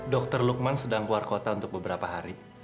dokter lukman sedang keluar kota untuk beberapa hari